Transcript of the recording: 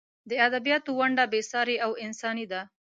د ادبیاتو ونډه بې سارې او انساني ده.